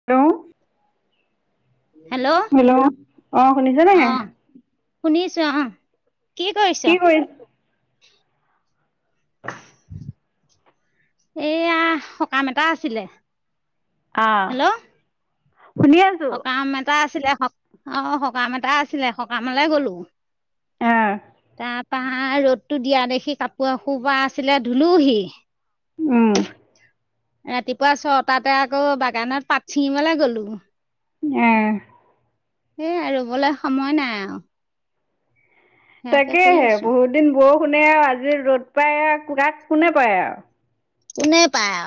[unintelligible] Hello! অ শুনিছে নে অহ, শুনিছো অহ। কি কৰিছ'? [inaudible] এইয়া সকাম এটা আছিলে। আ হেল্ল' শুনি আছ সকাম এটা আছিলে স অ, সকাম এটা আছিলে। সকামলে গলো। আহ তা বা ৰ'দতো দিয়া দেখি কাপোৰ এসোপা আছিলে ধুলোহি। উম। ৰাতিপুৱা ছটাতে আকৌ বাগানত পাত ছিঙিবলে গ'লো। উম। সেই ৰুবলে সময় নাই আও। কৰি তাকেহে আছো বহুত দিন বৰষুণে আৱ আজি ৰ'দ পাই [unintelligible] কুৰাত কোনে পায় আৱ। কোনে পায়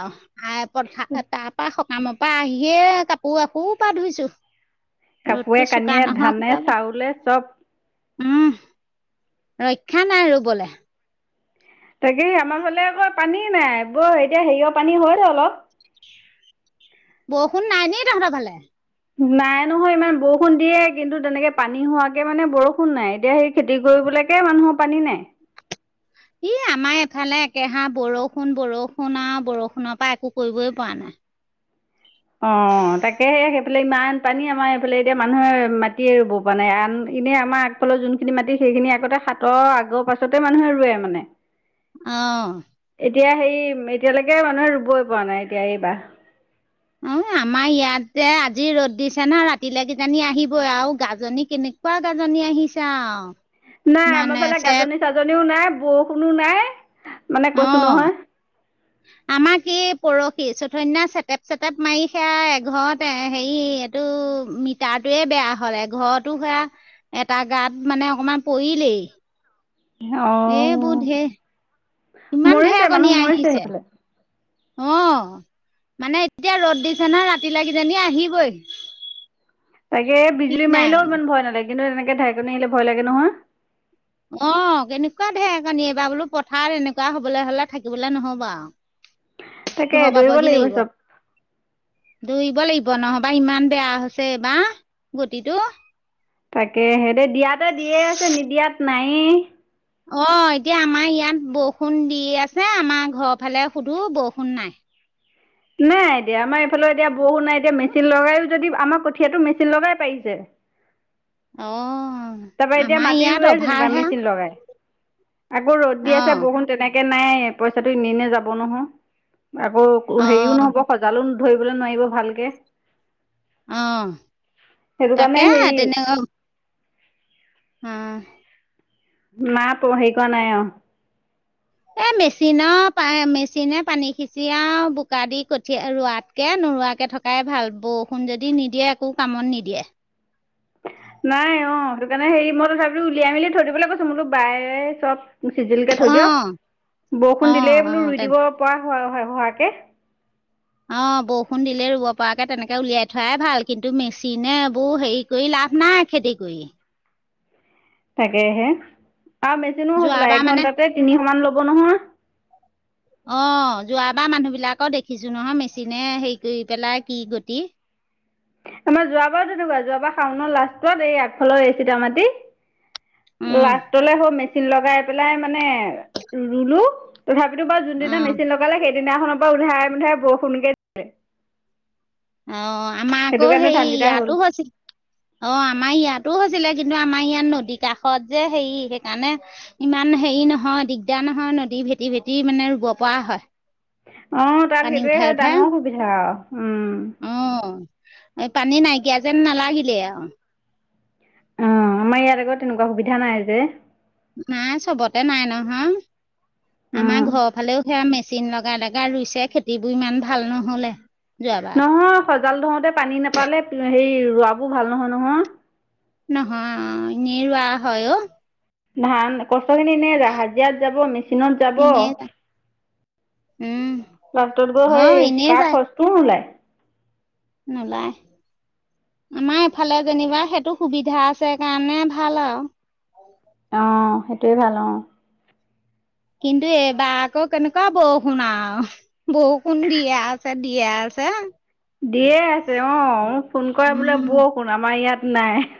আৱ [unintelligible] তা পা হ কাম পা আহিয়ে কাপো এহোপা ধুইছো। কাপোৰে ৰ'দটো চোকা কানিয়ে নহয় ধানে শুকাব। চাউলে চব উম, ৰক্ষা নাই ৰোবলে। তাকেহে আমাৰ ফালে আকৌ পানীয়ে নাই। বৈ এতিয়া হেইঅ' পানী হয়ত অলপ। বৰষুণ নাই নি তহঁতৰ ফালে? নাই নহয় ইমান বৰষুণ দিয়ে কিন্তু তেনেকে পানী হোৱাকে মানে বৰষুণ নাই। এতিয়া সেই খেতি কৰিবলৈকে মানুহ পানী নাই। ই আমাৰ এফালে একেহাৰ বৰষুণ বৰষুণ আ বৰষুণৰ পা একো কৰিবই পৰা নাই। অ তাকেহে সেইফালে ইমান পানী আমাৰ সেইফালে এতিয়া মানুহে মাটিয়ে ৰুব পৰা নাই আন এনেই আমাৰ ফালৰ যোনখিনি মাটি সেইখিনি আগতে সাতৰ আগৰ পাছতে মানুহে ৰুৱে মানে অ এতিয়া হেৰি এতিয়ালৈকে মানুহে ৰুবই পৰা নাই এতিয়া এইবাৰ অ আমাৰ ইয়াতে আজি ৰ'দ দিছে ন ৰাতিলৈ কিজানি আহিবই আৰু গাজনী কেনে কুৱা গাজনী আহিছে আও নাই আমাৰ ফালে গাজনী - চাজনীও নাই বৰষুণো নাই মানে কৈছো অ', নহয় [inaudible] আমাৰ কি পৰশি চথা দিনা চেটেপ-চেটেপ মাৰি সেয়া এঘৰত এ হেৰি টো মিটাৰটোয়ে বেয়া হ'লে এঘৰতো সেয়া এটা গাত মানে অকণমান পৰিলেই অ' এইবোৰ ঢেৰ ইমান মৰিছে মানুহ ঢেৰকণী মৰিছে আহিছে সেইফালে। অ মানে এতিয়া ৰ'দ দিছে নহয় ৰাতি লৈ কিজানি আহিবই তাকে ঠিক বিজুলী নাই মাৰিলেও মানে। ইমান ভয় নালাগে কিন্তু তেনেকে ঢাৰেকনি আহিলে ভয় লাগে নহয় অ কেনেকুৱা ঢেৰকণী এইবাৰ বোলো পথাৰত এনেকুৱা হবলে হলে থাকিবলে নহব আৰু তাকে ঘৰ দৌৰিব পাবহি লাগিব চব দৌৰিব লাগিব নহবা ইমান বেয়া হৈছে এইবাৰ গতিটো তাকে সে দেই দিয়াতে দিয়ে আছে নিদিয়াত নাইয়ে অ এতিয়া আমাৰ ইয়াত বৰষুণ দি আছে আমাৰ ঘৰৰ ফালে সুধো বৰষুণ নাই নাই এতিয়া আমাৰ এইফালে এতিয়া বৰষূণ নাই এতিয়া মেচিন লগায়ো যদি আমাৰ কঠীয়াটো মেচিন লগাই পাৰিছে অ তাপা এতিয়া আমাৰ মাটি ইয়াত ৰুৱে যেনিবা অভাৰহে মেচিন লগাই আকৌ ৰ'দ দি আছে অ', বৰষুণ তেনেকে নাই পইচাটো এনে এনে যাব নহয় আকৌ হেৰিও অ', নহ'ব সজালো ধৰিবলে নোৱাৰিব ভালকে অ সেইটো কাৰণে তাকে হেৰি তেনে উম নাই প হেৰি কৰা নাই আৰু এ মেচিনৰ পা মেচিনে পানী সিচি আৰু বোকা দি কঠিয়া ৰোৱাত এ নোৰোৱাকে থকাই ভাল বৰষুণ যদি নিদিয়ে একো কামত নিদিয়ে নাই অ সেইটো কাৰণে হেৰি মই তথাপিতো উলিয়াই মেলি থৈ দিবলৈ কৈছো মইতো বায়ে চব চিজিলকে থৈ দিয়ক অঁ বৰষুণ অঁ দিলেই বোলো অঁ ৰুই তেন দিব পৰা হয় হয় হোৱাকে অ বৰষুণ দিলে ৰুব পৰাকে তেনেকে উলিয়াই থোৱাই ভাল কিন্তু মেচিনে এইবোৰ হেৰি কৰি লাভ নাই খেতি কৰি তাকেহে আৰু মেচিনো হবলা যোৱাবাৰ মানে এঘন্টাতে তিনিশ মান ল'ব নহয় অ যোৱাবাৰ মানুহ বিলাকৰ দেখিছো নহয় মেচিনে হেৰি কৰি পেলাই কি গতি আমাৰ যোৱাবাৰ তেনেকুৱা যোৱাবাৰ শাওনৰ লাষ্টত এই আগফালৰ এই চিতা মাটি অঁ লাষ্টলে হ' মেচিন লগাই পেলাই মানে ৰুলো তথাপিতো বাও যোনদিনা অঁ মেচিন লগালে সেইদিনাখনৰ পৰা উধাই মূধাই বৰষুণকে অ আমাৰ সেইটো আকৌ কাৰণে হেৰি ধানকেইটা হ'ল ইয়াতো হৈছিল অ আমাৰ ইয়াতো হৈছিলে কিন্তু আমাৰ ইয়াত নদী কাষত যে হেৰি সেইকাৰণে ইমান হেৰি নহয় দিগদাৰ নহয় নদী ভেটি ভেটি মানে ৰুব পৰা হয় অঁ তাত পানী উঠাই সেইটোৱে ডাঙৰ সুবিধা আৰু অঁ এ পানী নাইকিয়া যেন নালাগিলে আৰু অ আমাৰ ইয়াত আকৌ তেনেকুৱা সুবিধা নাই যে নাই চবতে নাই নহয় উম আমাৰ ঘৰৰ ফালেও সেয়া মে চিন লগাই লগাই ৰুইছে খেতিবোৰ ইমান ভাল নহ'লে। যোৱাবাৰ নহয় সজাল ধৰোতে পানী নাপালে হেৰি ৰোৱাবোৰ ভাল নহয় নহয়। নহয় এনেই ৰোৱা হয় অ। ধান, কষ্টখিনি এনেই হাজিৰাত যাব, মেচিনত যাব এনেই উম লাষ্টত গৈ হয় সেই এনেই তাৰ যায় খৰচটোও নোলায়। নোলায়। আমাৰ এইফালে যেনিবা সেইটো সুবিধা আছে কাৰণে ভাল আও। অঁ, সেইটোৱে ভাল অঁ। কিন্তু এইবাৰ আকৌ কেনেকুৱা বৰষুণ আও। বৰষুণ দিয়ে আছে, দিয়ে আছে। দিয়ে আছে অঁ, ফোন কৰে বোলে উম বৰষুণ আমাৰ ইয়াত নাই।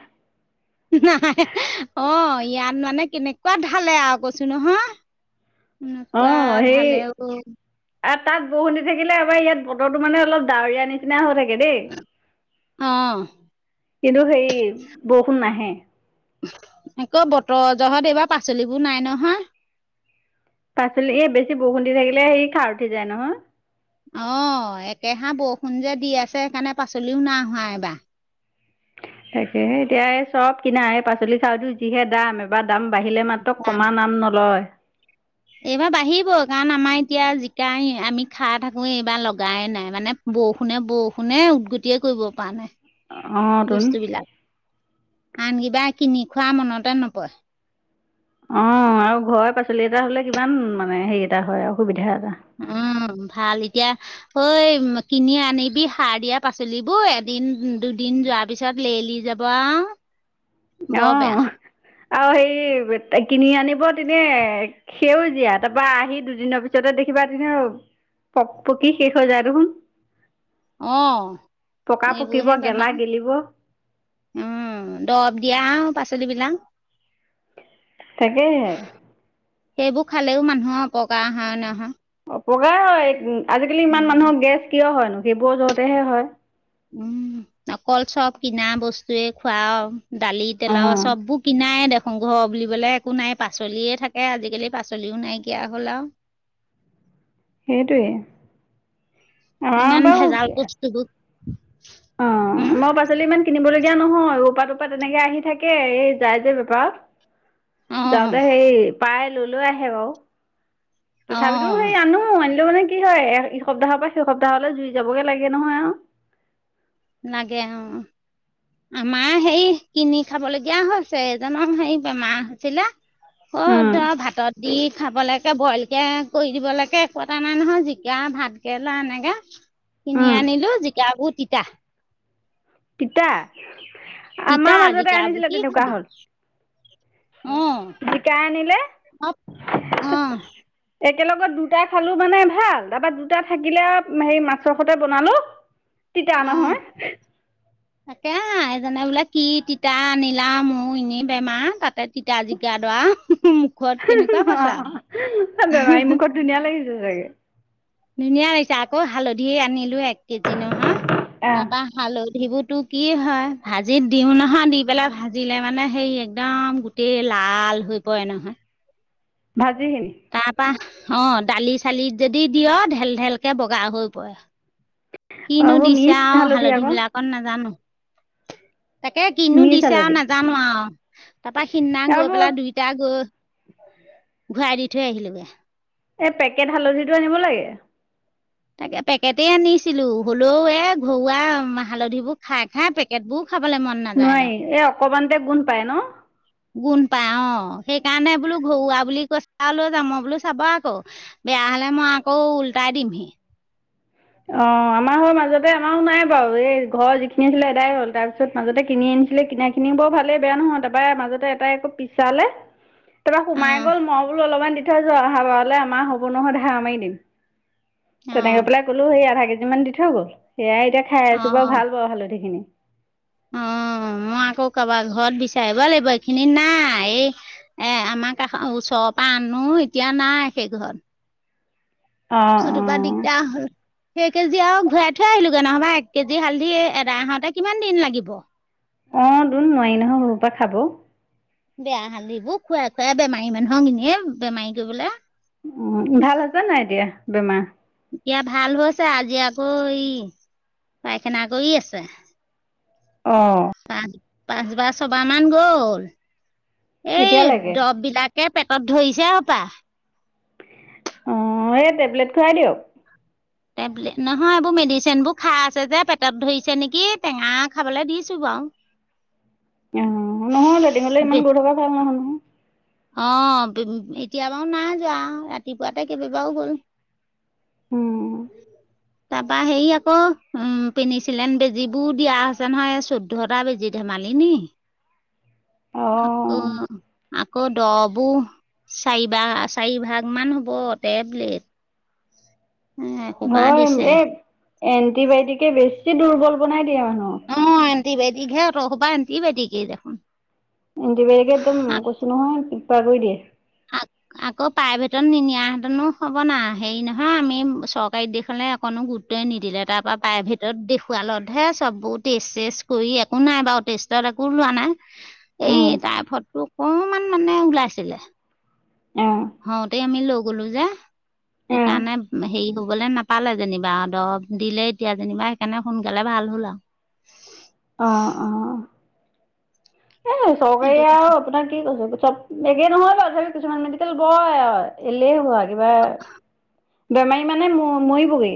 না হাঁ হাঁ য় অঁ ইয়াত মানে কেনেকুৱা ঢালে আও কৈছো নহয়। এনেকুৱা অঁ সেই ঢালে অও। আৰু তাত বৰষুণ দি থাকিলে আমাৰ ইয়াত বতৰতো মানে অলপ ডাৱৰীয়া নিচ চিনা হৈ থাকে দেই কিন্তু সেই বৰষুণ নাহে। আকৌ বতৰ জহত এইবাৰ পাচলিবোৰ নাই নহয়। পাচলি এই বেছি বৰষুণ দি থাকিলে সেই খাৰ উঠি যায় নহয়। অঁ, একেহা বৰষুণ যে দি আছে সেইকাৰণে পাচলিও নাই হোৱা এবাৰ। তাকে এতিয়া এই চব কিনা এই পাচলি- চাচলিৰ যিহে দাম। কিবা দাম বাঢ়িলে মাত্ৰ কমা নাম নলয়। এইবাৰ বাঢ়িব কাৰণ আমাৰ এতিয়া জিকাই আমি খাই থাকো। এইবাৰ লগাই নাই মানে বৰষুণে, বৰষুণে উদগতিয়ে কৰিব পৰা নাই অঁ তোন বস্তুবিলাক। আন কিবা কিনি খোৱা মনতে নপৰে। অঁ, আৰু ঘৰৰে পাচলি এটা হ'লে কিমান মানে হেৰি এটা হয় আও সুবিধা এটা। উম, ভাল। এতিয়া অ এই কিনি আনিবি সাৰ দিয়া পাচলিবোৰ এদিন, দুদিন যোৱা পিছত লেৰেলি যাব আৰু বৰ বেয়া অঁহ্, আৰু হেৰি কিনি আনিব দিলে। সেউজীয়া তাৰপৰা আহি দুদিনৰ পিছতে দেখিবা তেতিয়া পক্ পকি শেষ হৈ যায় দেখোন। অ পকা পকিব, এইবোৰহে গেলা বেমাৰ গেলিব। উম, দৰব দিয়া আৰু পাচলিবিলাক। তাকেহে। সেইবোৰ খালেও মানুহৰ অপকাৰ হয় নহয়। অপকাই হয়। ওঁ আজিকালি ইমান উম মানুহৰ গেছ কিয় হয়নো সেইবোৰৰ জহতেহে হয়। উম, অকল চব কিনা বস্তুৱে খোৱা আও। দালি, অ তেলৰ আৰু চববোৰ কিনায় দেখ ঘৰ বুলিবলৈ একো নাই পাচলিয়ে থাকে আজিকালি পাচলিও নাইকিয়া হ'ল আও। সেইটোৱে। আমাৰ ইমান বাৰু ভেজাল অ বস্তুবোৰ, হুঁহ। শাক পাচলি ইমান কিনিবলগীয়া নহয়। অপা-তপাত তেনেকে আহি থাকে এই যায় যে বেপাৰত। অ', যাওঁতে হেৰি পাই লৈ লৈ আহে বাৰু। তথাপিটো সেই অ', আনো আনিলো মানে কি হয়? এ এ হি সপ্তাহৰ পৰা সিসপ্তাহলৈ জুৰি যাবগে লাগে নহয় আৰু। নাগে অঁ। আমাৰ সেই কিনি খাবলগীয়া হৈছে এইজনৰ হেৰি বেমাৰ হৈছিলে। অঁ উম ধৰা ভাতত দি খাবলৈকে বইল কে। কৰি দিবলৈকে একো এটা নাই নহয় জিকা, ভাতকেৰেলা এনেকে। কিনি উম আনিলো জিকাবোৰ তিতা। তিতা! তিতা আমাৰ মাজতে জিকাবোৰ আনিছিলে কি তেনেকুৱা খাবি? হ'ল অ', জিকাই আনিলে- অ', অ', একেলগত দুটা খালোঁ মানে ভাল তাৰপৰা দুটা থাকিলে হেৰি মাছৰ সৈতে বনালোঁ- তিতা অ', নহয়। তাকে হা, এইজনে বোলে কি তিতা আনিলা মোৰ এনেই বেমাৰ তাতে- তিতা জিকা দৰা। বেমাৰী মুখত ধুনীয়া লাগিছে চাগে। ধুনীয়া লাগিছে আকৌ হালধি আনিলো এক কেজি নহয় আহ তাৰপা- হালধিবোৰতো কি হয়, ভাজিত দিও নহয় দি পেলাই ভাজিলে মানে সেই একদম- গোটেই লাল হৈ পৰে নহয়। ভাজিহি। তাৰ পৰা অঁ দালি চালি যদি দিয় ঢেল ঢেল কে বগা হৈ পৰে। অ কিনো এইবোৰ দিছে মিচ আৰু হালধি আকৌ বিলাকত নাজানো। তাকে কিনো মিচ দিছে আৰু হালধি নাজানো আৰু তাৰপা সিদিনা গৈ এইবোৰ পেলাই দুই- গৈ ঘূৰাই দি থৈ আহিলোগে। এই পেকেট হালধিটো আনিব লাগে। তাকে পেকেটেই আনিছিলো হ'লেও এ ঘৰুৱা হালধিবোৰ খাই খাই পেকেট বোৰ খাবলৈ মন নাই। নোৱাৰি, এই অকণমানতে গুণ পায় ন। গুণ পাই অঁ। সেইকাৰণে বোলো ঘৰুৱা বুলি কৈছা, লৈ যাম মই বোলো চাব আকৌ। বেয়া হ'লে মই আকৌ উল্টাই দিম। অঁ আমাৰ হৈ মাজতে আমাৰো নাই বাৰু, এই ঘৰ যিখিনি আছিলে এদাই হ'ল। তাৰপি- পিছত মাজতে কিনি আনিছিলে, কিনা খিনি বাৰু ভালেই বেয়া নহয়। তাৰপৰা মাজতে এটাই আকৌ পিছালে - তাৰপৰা সোমাই অ', গ'ল, মই বোলো অলপমান দি থৈ যোৱা আহা বাৰলৈ আমাৰ হ'ব নহয় ধাৰ মাৰি দিম। তেনেকে অ', পেলাই ক'লো সেই আধা কেজি মান দি থৈ গ'ল। সেয়াই এতিয়া খাই আছো বাৰু অ'। ভাল বাৰু হালধি খিনি। অ', [inaudible] মই আকৌ কাৰবাৰ ঘৰত বিচাৰিব লাগিব এইখিনিত নাই। এই - এ আমাৰ কাষ ওচৰৰ পৰা আনো এতিয়া নাই সেইটো ঘৰত। অঁ সেইটোপা অঁ দিগদাৰ হ'ল। সেই কেজি আৰু ঘূৰাই থৈ আহিলোগে, নহ'বা এক কেজি হালধি এদাই হওঁতে কিমান দিন লাগিব। অঁ দোন নোৱাৰি নহয় সৌসোপা খাব। বেয়া হালধিবোৰ খুৱাই খুৱাই বেমাৰী মানুহক এনে বেমাৰী কৰিবলে। উম, ভাল হৈছে নে নাই এতিয়া বেমাৰ। এতিয়া ভাল হৈছে, আজি আকৌ এই পাইখানা কৰি আছে। অঁ। পাঁচ পাঁচবাৰ ছবাৰ মান গ'ল, এই এতিয়ালৈকে দব বিলাক - কে পেটত ধৰিছে হপাই। হয়ে টেবলেট খুৱাই দিয়ক। টেবলেট নহয় এইবোৰ মেডিচিনবোৰ খাই আছে যে পেটত ধৰিছে নেকি, টেঙা খাবলৈ দিছোঁ বাৰু। অঁ নহয় লেটিঙলৈ ইমান গৈ থকা ভাল নহয় নহয়। অঁ এতিয়া বাৰু নাই যোৱা, ৰাতিপুৱাতে কেইবাবাৰো গ'ল। উম, [unintelligible] তাপা হেৰি আকৌ উম পিনিছিলেন বেজিবোৰ দিয়া হৈছে নহয় চৌ ধটা বেজি ধেমালি নি আকৌ অ' আকৌ দ'বো চাৰিবাগ চাৰিভাগ মান হ'ব টেবলেট এ এসোপা হয় দিছে এ এণ্টিবায়টিকে বেছি দুৰ্বল বনাই দিয়ে মানুহক অ এণ্টিবায়টিক হে অতহোপা এণ্টিবায়টিকেই দেখোন এণ্টিবায়টিকে একদম কৈছো নহয় কিবা কৰি দিয়ে আকৌ প্ৰাইভেটত নিনিয়াহেঁতেনো হ'ব না হেৰি নহয় আমি চৰকাৰীত দেখোৱালে। অকণো গুৰুত্বই নিদিলে তাৰ পৰা প্ৰাইভেটত দেখুৱালতহে চববোৰ টেষ্ট কৰি একো নাই বাৰু টেষ্টত একো উলোৱা নাই। এই উম। তাই ফটো অকমান মানে ওলাইছিলে। অ' হওঁতেই আমি লৈ গলো যে অ' সেইকাৰণে হেৰি শুবলে নাপালে যেনিবা দৱ দিলে এতিয়া যেনিবা সেইকাৰণে সোনকালে ভাল হ'ল আৱ অ অ এ চৰকাৰী সেইটো আৰু আপোনাক কি কৈছে চব একে নহয় বাৰু তথাপি কিছুমান মেডিকেল বৰ এ এলেহুৱা কিবা বেমাৰী মানে ম মৰিবগৈ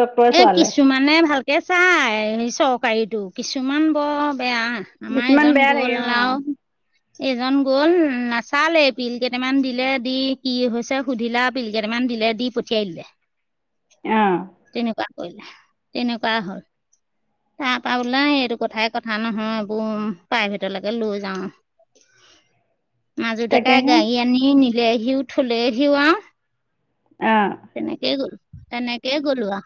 ডক্তৰে এ চোৱালে কিছুমানে ভালকে চাই চৰকাৰীটো কিছুমান বৰ বেয়া। আমাৰ কিছুমান এজন বেয়া থাকে গ'ল আও। [inaudible] এইজন গ'ল নাচালেই পিল কেইটামান দিলে দি কি হৈছে সুধিলে আও পিল কেইটামান দিলে দি পঠিয়াই দিলে অহ এনেকোৱা কৰিলে তেনেকুৱা হ'ল। তাৰপা ওলাই এইতো কথাই কথা নহয় বোম প্ৰাইভেটলৈকে লৈ যাওঁ [unintelligible] মাজু ডেকাই তাকেহে গাড়ী আনি নিলেহিও থলেহিও আৱ অ তেনেকেই গল তেনেকেই গলো আও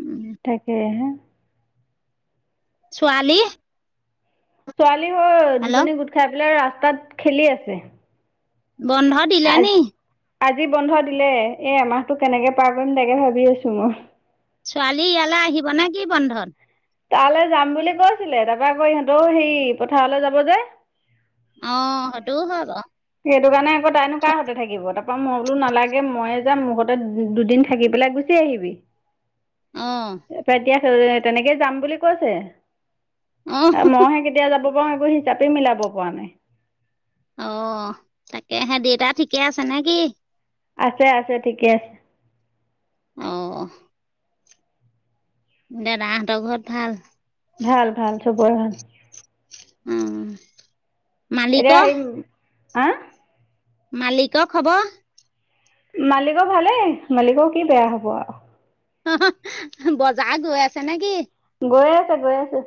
উম তাকেহে ছোৱালী ছোৱালী হৈ হেল্ল' দুজনী গোট খাই পেলাই ৰাস্তাত খেলি আছে বন্ধ দিলে নি? আজি বন্ধ দিলে এ এমাহটো কেনেকে পাৰ কৰিম তাকে ভাবি আছো মই ছোৱালী ইয়ালে আহিব নে কি বন্ধত? তাৰলে যাম বুলি কৈছিলে তাপা আকৌ ইহঁত হেৰি পথাৰলৈ যাব যে অ সেইটোও হয় বাঅ সেইটো কাৰণে আকৌ তাইনো কাৰ হঁতে থাকিব, তাপা মই বোলো নালাগে মইয়ে যাম মোৰ গতে দুদিন থাকি পেলাই গু চি আহিবি অ এ এতিয়া তেনেকে যাম বুলি কৈছে অ', মইহে কে তিয়া যাব পাও সেইবোৰ হিচাপে মিলাব পৰা নাই অ তাকেহে দেতা ঠিকে আছে নে কি? আছে আছে ঠিকে অ দেদাহঁত ঘত ভাল? ভাল ভাল চবৰে ভাল। উম। এতিয়া মালিকৰ, সেই হা? মালিকৰ খবৰ? মালিকৰ ভালেই মালিকৰ কি বেয়া হ'ব আৰু। বজাৰ গৈ আছে নেকি? গৈ আছে, গৈ আছে।